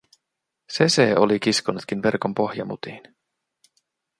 Se se oli kiskonutkin verkon pohjamutiin.